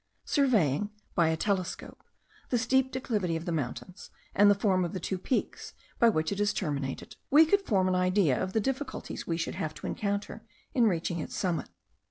Surveying, by a telescope, the steep declivity of the mountains, and the form of the two peaks by which it is terminated, we could form an idea of the difficulties we should have to encounter in reaching its summit.